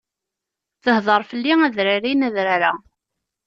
Tehdeṛ fell-i adrar-in adrar-a.